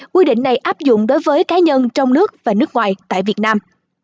quy định này áp dụng đối với cá nhân trong nước và nước ngoài tại việt nam